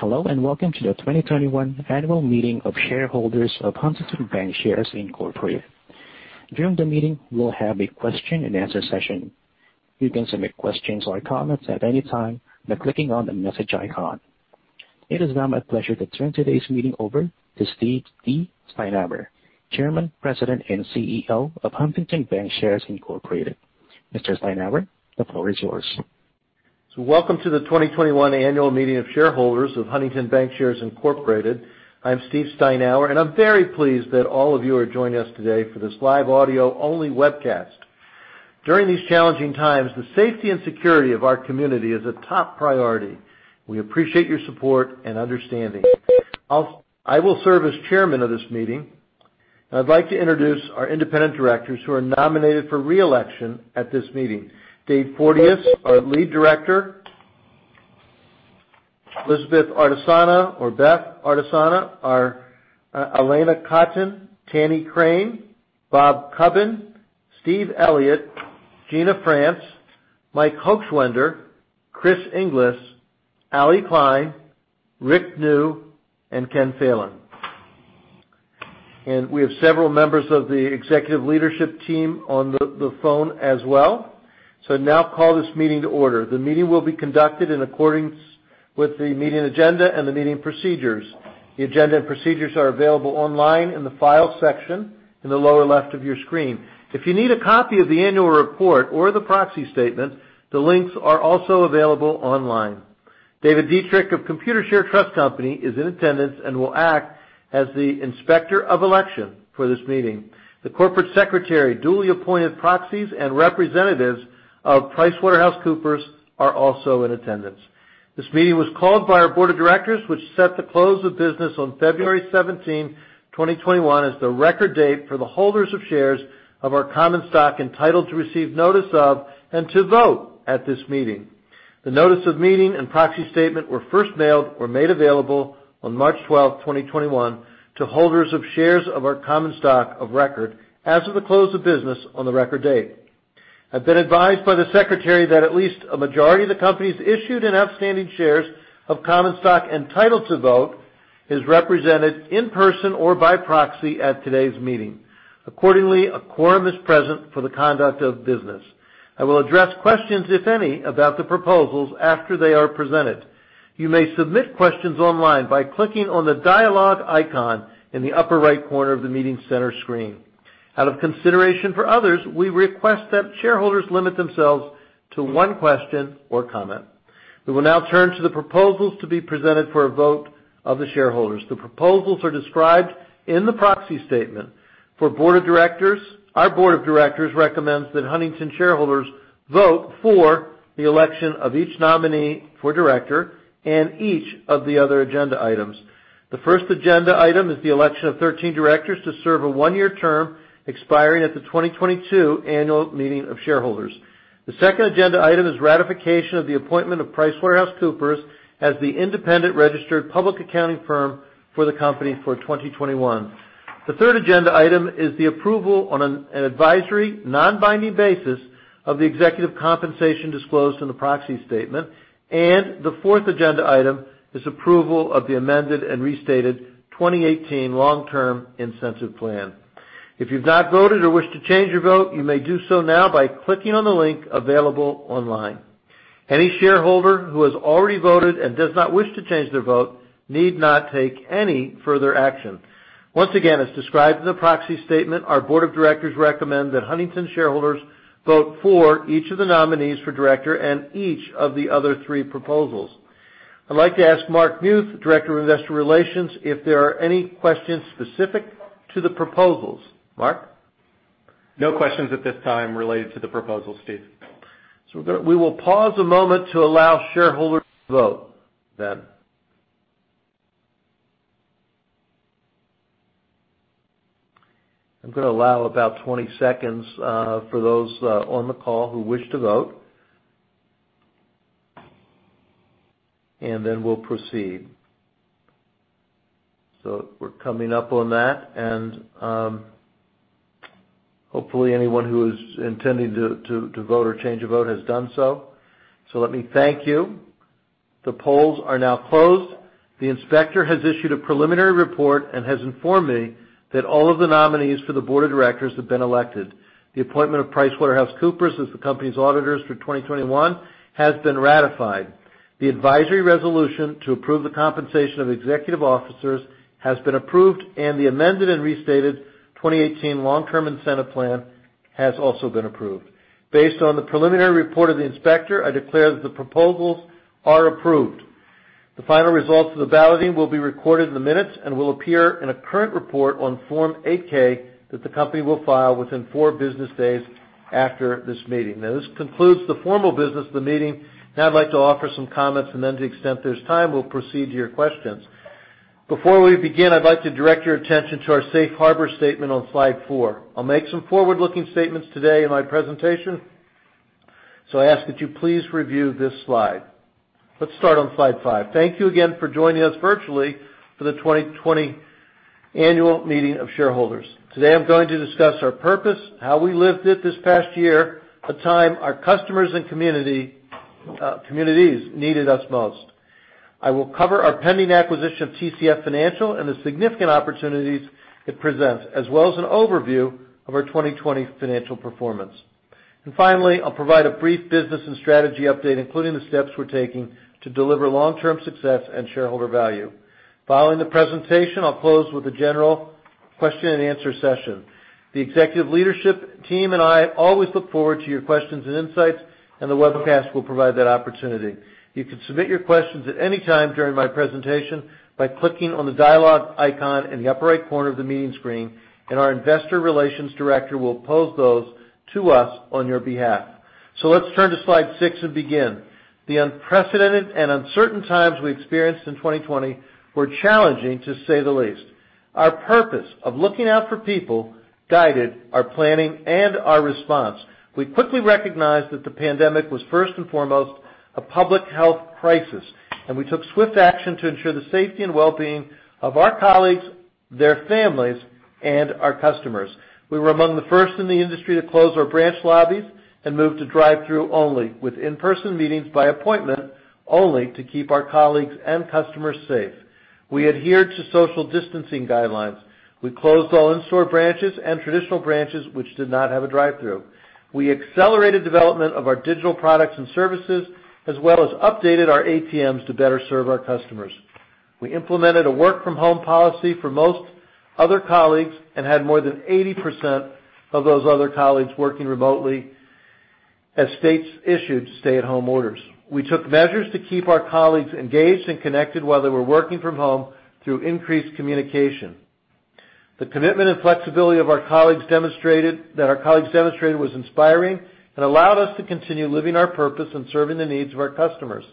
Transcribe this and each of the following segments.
Hello, and welcome to the 2021 Annual Meeting of Shareholders of Huntington Bancshares Incorporated. During the meeting, we'll have a question and answer session. You can submit questions or comments at any time by clicking on the message icon. It is now my pleasure to turn today's meeting over to Steve D. Steinour, Chairman, President, and CEO of Huntington Bancshares Incorporated. Mr. Steinour, the floor is yours. Welcome to the 2021 annual meeting of shareholders of Huntington Bancshares Incorporated. I'm Steve Steinour, and I'm very pleased that all of you are joining us today for this live audio-only webcast. During these challenging times, the safety and security of our community is a top priority. We appreciate your support and understanding. I will serve as Chairman of this meeting, and I'd like to introduce our independent directors who are nominated for re-election at this meeting. Dave Porteous, our Lead Director, Lizabeth Ardisana or Beth Ardisana, Alanna Cotton, Tanny Crane, Bob Cubbin, Steve Elliott, Gina France, Mike Hochschwender, Chris Inglis, Allie Kline, Rick Neu, and Ken Phelan. We have several members of the executive leadership team on the phone as well. I now call this meeting to order. The meeting will be conducted in accordance with the meeting agenda and the meeting procedures. The agenda and procedures are available online in the Files section in the lower left of your screen. If you need a copy of the annual report or the proxy statement, the links are also available online. David Dietrich of Computershare Trust Company is in attendance and will act as the Inspector of Election for this meeting. The corporate secretary, duly appointed proxies, and representatives of PricewaterhouseCoopers are also in attendance. This meeting was called by our board of directors, which set the close of business on February 17, 2021, as the record date for the holders of shares of our common stock entitled to receive notice of and to vote at this meeting. The notice of meeting and proxy statement were first mailed or made available on March 12th, 2021, to holders of shares of our common stock of record as of the close of business on the record date. I've been advised by the secretary that at least a majority of the company's issued and outstanding shares of common stock entitled to vote is represented in person or by proxy at today's meeting. Accordingly, a quorum is present for the conduct of business. I will address questions, if any, about the proposals after they are presented. You may submit questions online by clicking on the dialogue icon in the upper right corner of the meeting center screen. Out of consideration for others, we request that shareholders limit themselves to one question or comment. We will now turn to the proposals to be presented for a vote of the shareholders. The proposals are described in the proxy statement. For board of directors, our board of directors recommends that Huntington shareholders vote for the election of each nominee for director and each of the other agenda items. The first agenda item is the election of 13 directors to serve a one-year term expiring at the 2022 annual meeting of shareholders. The second agenda item is ratification of the appointment of PricewaterhouseCoopers as the independent registered public accounting firm for the company for 2021. The third agenda item is the approval on an advisory, non-binding basis of the executive compensation disclosed in the proxy statement, and the fourth agenda item is approval of the amended and restated 2018 Long-Term Incentive Plan. If you've not voted or wish to change your vote, you may do so now by clicking on the link available online. Any shareholder who has already voted and does not wish to change their vote need not take any further action. Once again, as described in the proxy statement, our board of directors recommend that Huntington shareholders vote for each of the nominees for director and each of the other three proposals. I'd like to ask Mark Muth, Director of Investor Relations, if there are any questions specific to the proposals. Mark? No questions at this time related to the proposals, Steve. We will pause a moment to allow shareholders to vote then. I'm going to allow about 20 seconds for those on the call who wish to vote. Then we'll proceed. We're coming up on that, and hopefully anyone who is intending to vote or change a vote has done so. Let me thank you. The polls are now closed. The inspector has issued a preliminary report and has informed me that all of the nominees for the board of directors have been elected. The appointment of PricewaterhouseCoopers as the company's auditors for 2021 has been ratified. The advisory resolution to approve the compensation of executive officers has been approved, and the amended and restated 2018 long-term incentive plan has also been approved. Based on the preliminary report of the inspector, I declare that the proposals are approved. The final results of the balloting will be recorded in the minutes and will appear in a current report on Form 8-K that the company will file within four business days after this meeting. This concludes the formal business of the meeting. I'd like to offer some comments, and then to the extent there's time, we'll proceed to your questions. Before we begin, I'd like to direct your attention to our safe harbor statement on slide four. I'll make some forward-looking statements today in my presentation, I ask that you please review this slide. Let's start on slide five. Thank you again for joining us virtually for the 2021 Annual meeting of shareholders. Today I'm going to discuss our purpose, how we lived it this past year, a time our customers and communities needed us most. I will cover our pending acquisition of TCF Financial and the significant opportunities it presents, as well as an overview of our 2020 financial performance. Finally, I'll provide a brief business and strategy update, including the steps we're taking to deliver long-term success and shareholder value. Following the presentation, I'll close with a general question and answer session. The executive leadership team and I always look forward to your questions and insights, the webcast will provide that opportunity. You can submit your questions at any time during my presentation by clicking on the dialogue icon in the upper right corner of the meeting screen, our investor relations director will pose those to us on your behalf. Let's turn to slide six and begin. The unprecedented and uncertain times we experienced in 2020 were challenging, to say the least. Our purpose of looking out for people guided our planning and our response. We quickly recognized that the pandemic was first and foremost a public health crisis, and we took swift action to ensure the safety and wellbeing of our colleagues, their families, and our customers. We were among the first in the industry to close our branch lobbies and move to drive-through only, with in-person meetings by appointment only to keep our colleagues and customers safe. We adhered to social distancing guidelines. We closed all in-store branches and traditional branches which did not have a drive-through. We accelerated development of our digital products and services, as well as updated our ATMs to better serve our customers. We implemented a work from home policy for most other colleagues and had more than 80% of those other colleagues working remotely as states issued stay at home orders. We took measures to keep our colleagues engaged and connected while they were working from home through increased communication. The commitment and flexibility that our colleagues demonstrated was inspiring and allowed us to continue living our purpose and serving the needs of our customers.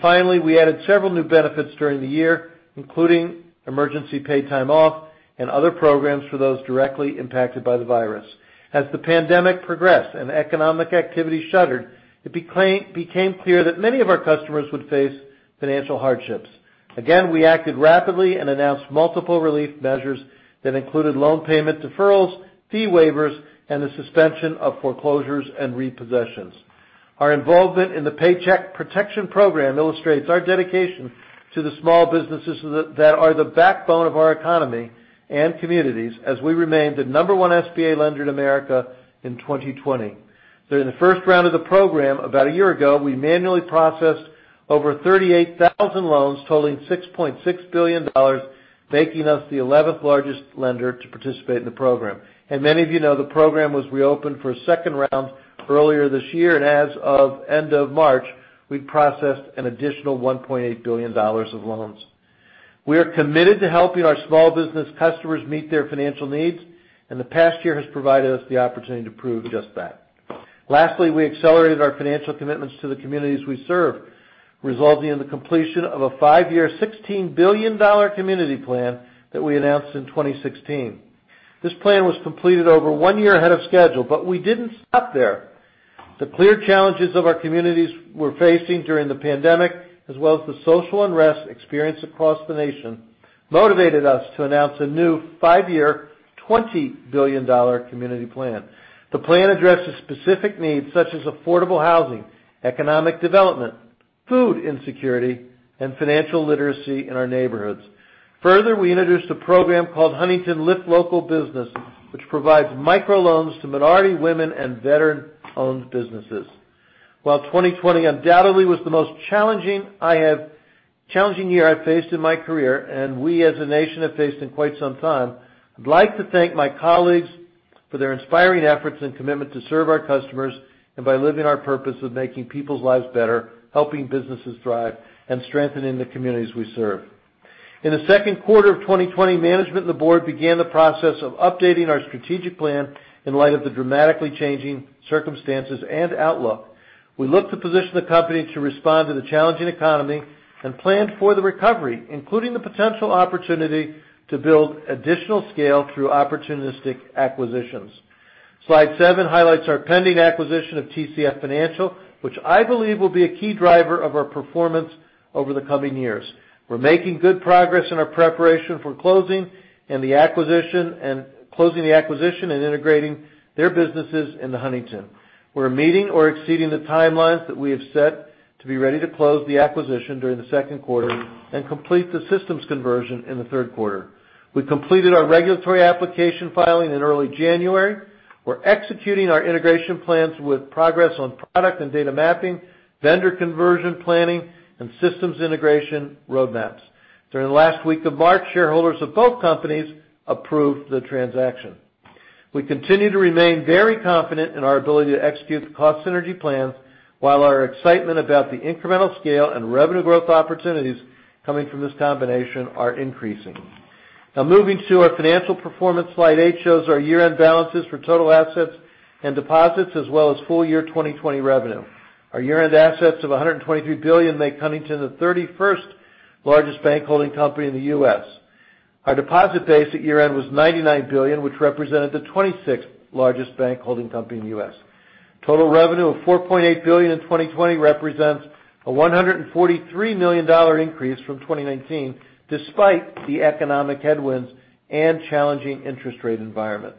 Finally, we added several new benefits during the year, including emergency paid time off and other programs for those directly impacted by the virus. As the pandemic progressed and economic activity shuttered, it became clear that many of our customers would face financial hardships. Again, we acted rapidly and announced multiple relief measures that included loan payment deferrals, fee waivers, and the suspension of foreclosures and repossessions. Our involvement in the Paycheck Protection Program illustrates our dedication to the small businesses that are the backbone of our economy and communities as we remained the number one SBA lender in America in 2020. During the first round of the Program, about a year ago, we manually processed over 38,000 loans totaling $6.6 billion, making us the 11th largest lender to participate in the Program. Many of you know the Program was reopened for a second round earlier this year, and as of end of March, we'd processed an additional $1.8 billion of loans. We are committed to helping our small business customers meet their financial needs, and the past year has provided us the opportunity to prove just that. Lastly, we accelerated our financial commitments to the communities we serve, resulting in the completion of a five-year, $16 billion community plan that we announced in 2016. This plan was completed over one year ahead of schedule, we didn't stop there. The clear challenges of our communities we're facing during the pandemic, as well as the social unrest experienced across the nation, motivated us to announce a new five-year, $20 billion community plan. The plan addresses specific needs such as affordable housing, economic development, food insecurity, and financial literacy in our neighborhoods. Further, we introduced a program called Huntington Lift Local Business, which provides microloans to minority, women, and veteran-owned businesses. While 2020 undoubtedly was the most challenging year I've faced in my career, and we as a nation have faced in quite some time, I'd like to thank my colleagues for their inspiring efforts and commitment to serve our customers and by living our purpose of making people's lives better, helping businesses thrive, and strengthening the communities we serve. In the second quarter of 2020, management and the board began the process of updating our strategic plan in light of the dramatically changing circumstances and outlook. We looked to position the company to respond to the challenging economy and planned for the recovery, including the potential opportunity to build additional scale through opportunistic acquisitions. Slide seven highlights our pending acquisition of TCF Financial, which I believe will be a key driver of our performance over the coming years. We're making good progress in our preparation for closing the acquisition and integrating their businesses into Huntington. We're meeting or exceeding the timelines that we have set to be ready to close the acquisition during the second quarter and complete the systems conversion in the third quarter. We completed our regulatory application filing in early January. We're executing our integration plans with progress on product and data mapping, vendor conversion planning, and systems integration roadmaps. During the last week of March, shareholders of both companies approved the transaction. We continue to remain very confident in our ability to execute the cost synergy plans while our excitement about the incremental scale and revenue growth opportunities coming from this combination are increasing. Now moving to our financial performance, slide eight shows our year-end balances for total assets and deposits, as well as full year 2020 revenue. Our year-end assets of $123 billion make Huntington the 31st largest bank holding company in the U.S. Our deposit base at year-end was $99 billion, which represented the 26th largest bank holding company in the U.S. Total revenue of $4.8 billion in 2020 represents a $143 million increase from 2019, despite the economic headwinds and challenging interest rate environment.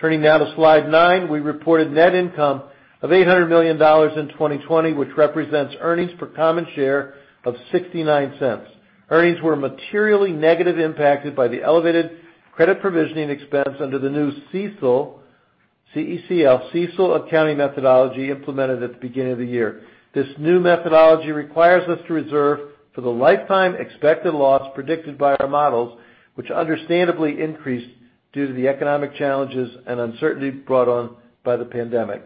Turning now to slide nine, we reported net income of $800 million in 2020, which represents earnings per common share of $0.69. Earnings were materially negative impacted by the elevated credit provisioning expense under the new CECL accounting methodology implemented at the beginning of the year. This new methodology requires us to reserve for the lifetime expected loss predicted by our models, which understandably increased due to the economic challenges and uncertainty brought on by the pandemic.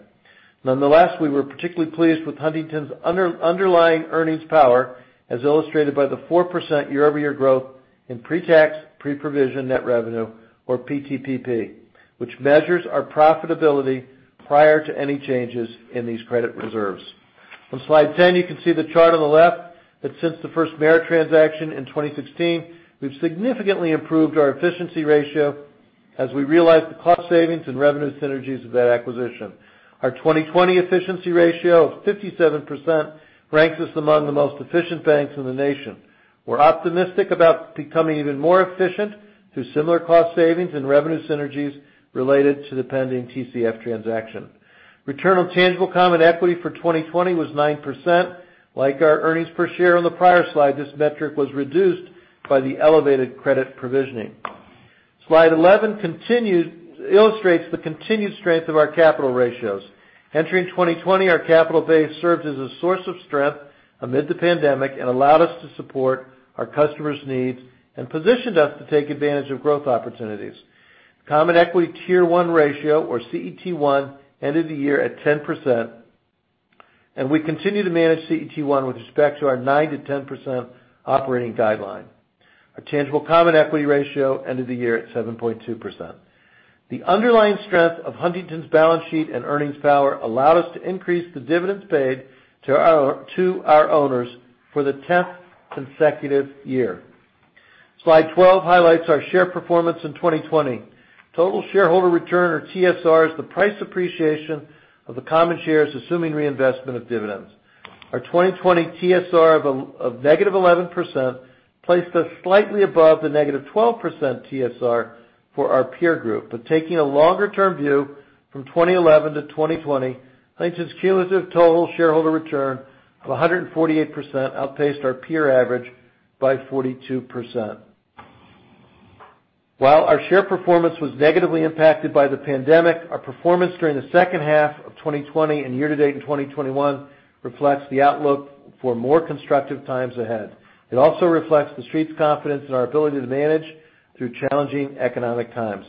Nonetheless, we were particularly pleased with Huntington's underlying earnings power, as illustrated by the 4% year-over-year growth in Pretax Pre-Provision Net Revenue, or PTPP, which measures our profitability prior to any changes in these credit reserves. On slide 10, you can see the chart on the left that since the FirstMerit transaction in 2016, we've significantly improved our efficiency ratio as we realize the cost savings and revenue synergies of that acquisition. Our 2020 efficiency ratio of 57% ranks us among the most efficient banks in the nation. We're optimistic about becoming even more efficient through similar cost savings and revenue synergies related to the pending TCF transaction. Return on tangible common equity for 2020 was 9%. Like our earnings per share on the prior slide, this metric was reduced by the elevated credit provisioning. Slide 11 illustrates the continued strength of our capital ratios. Entering 2020, our capital base served as a source of strength amid the pandemic and allowed us to support our customers' needs and positioned us to take advantage of growth opportunities. Common Equity Tier 1 ratio, or CET1, ended the year at 10%, and we continue to manage CET1 with respect to our 9%-10% operating guideline. Our tangible common equity ratio ended the year at 7.2%. The underlying strength of Huntington's balance sheet and earnings power allowed us to increase the dividends paid to our owners for the 10th consecutive year. Slide 12 highlights our share performance in 2020. Total Shareholder Return, or TSR, is the price appreciation of the common shares, assuming reinvestment of dividends. Our 2020 TSR of -11% placed us slightly above the -12% TSR for our peer group. Taking a longer-term view from 2011 to 2020, Huntington's cumulative total shareholder return of 148% outpaced our peer average by 42%. While our share performance was negatively impacted by the pandemic, our performance during the second half of 2020 and year to date in 2021 reflects the outlook for more constructive times ahead. It also reflects the Street's confidence in our ability to manage through challenging economic times.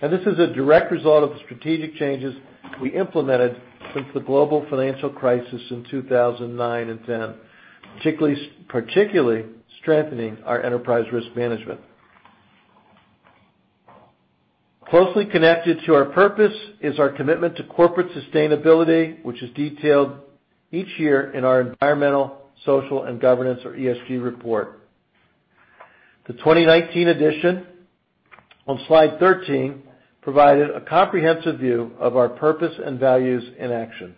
This is a direct result of the strategic changes we implemented since the global financial crisis in 2009 and 2010, particularly strengthening our enterprise risk management. Closely connected to our purpose is our commitment to corporate sustainability, which is detailed each year in our Environmental, Social, and Governance, or ESG, report. The 2019 edition on slide 13 provided a comprehensive view of our purpose and values in action.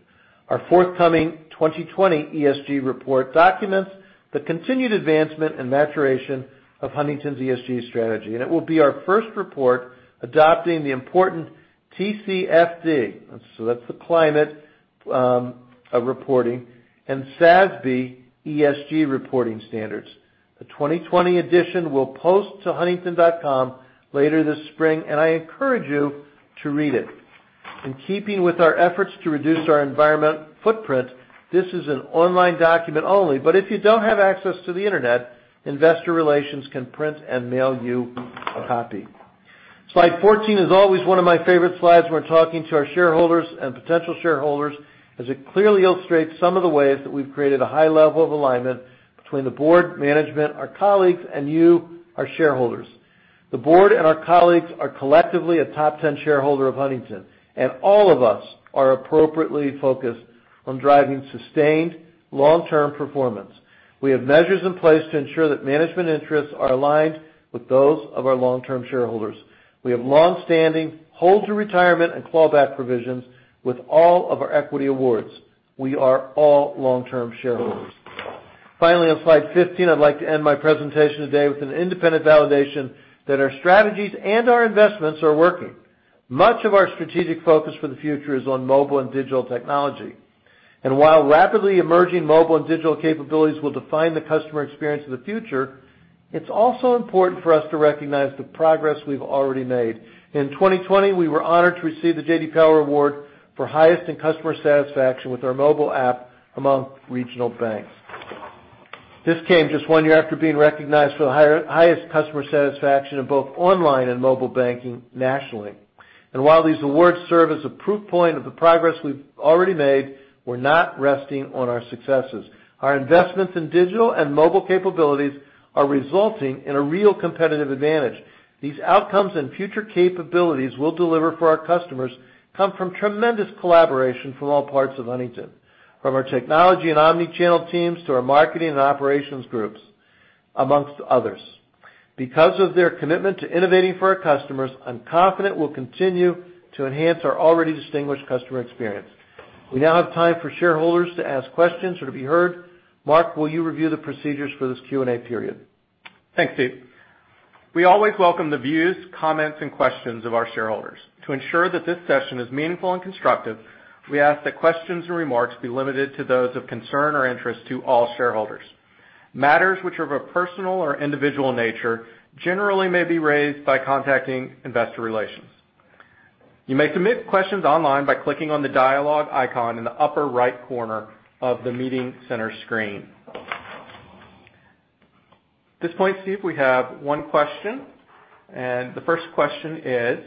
Our forthcoming 2020 ESG report documents the continued advancement and maturation of Huntington's ESG strategy, and it will be our first report adopting the important TCFD, so that's the climate reporting, and SASB ESG Reporting Standards. The 2020 edition will post to huntington.com later this spring, and I encourage you to read it. In keeping with our efforts to reduce our environment footprint, this is an online document only. If you don't have access to the internet, Investor Relations can print and mail you a copy. Slide 14 is always one of my favorite slides when we're talking to our shareholders and potential shareholders, as it clearly illustrates some of the ways that we've created a high level of alignment between the board, management, our colleagues, and you, our shareholders. The board and our colleagues are collectively a top 10 shareholder of Huntington, and all of us are appropriately focused on driving sustained long-term performance. We have measures in place to ensure that management interests are aligned with those of our long-term shareholders. We have long-standing hold to retirement and clawback provisions with all of our equity awards. We are all long-term shareholders. Finally, on slide 15, I'd like to end my presentation today with an independent validation that our strategies and our investments are working. Much of our strategic focus for the future is on mobile and digital technology. While rapidly emerging mobile and digital capabilities will define the customer experience of the future, it's also important for us to recognize the progress we've already made. In 2020, we were honored to receive the J.D. Power Award for highest in customer satisfaction with our mobile app among regional banks. This came just one year after being recognized for the highest customer satisfaction in both online and mobile banking nationally. While these awards serve as a proof point of the progress we've already made, we're not resting on our successes. Our investments in digital and mobile capabilities are resulting in a real competitive advantage. These outcomes and future capabilities we'll deliver for our customers come from tremendous collaboration from all parts of Huntington, from our technology and omni channel teams to our marketing and operations groups, amongst others. Because of their commitment to innovating for our customers, I'm confident we'll continue to enhance our already distinguished customer experience. We now have time for shareholders to ask questions or to be heard. Mark, will you review the procedures for this Q&A period? Thanks, Steve. We always welcome the views, comments, and questions of our shareholders. To ensure that this session is meaningful and constructive, we ask that questions and remarks be limited to those of concern or interest to all shareholders. Matters which are of a personal or individual nature generally may be raised by contacting Investor Relations. You may submit questions online by clicking on the dialogue icon in the upper right corner of the meeting center screen. At this point, Steve, we have one question, and the first question is: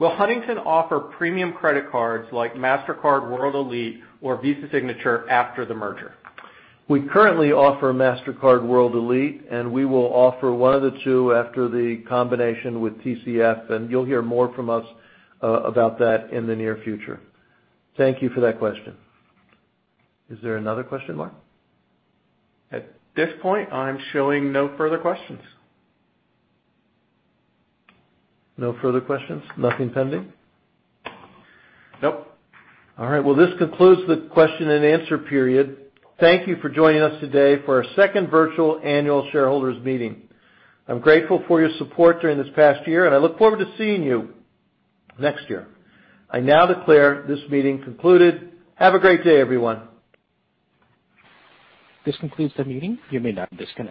Will Huntington offer premium credit cards like Mastercard World Elite or Visa Signature after the merger? We currently offer Mastercard World Elite, and we will offer one of the two after the combination with TCF, and you'll hear more from us about that in the near future. Thank you for that question. Is there another question, Mark? At this point, I'm showing no further questions. No further questions? Nothing pending? Nope. All right. Well, this concludes the question and answer period. Thank you for joining us today for our second virtual annual shareholders meeting. I'm grateful for your support during this past year, and I look forward to seeing you next year. I now declare this meeting concluded. Have a great day, everyone. This concludes the meeting. You may now disconnect.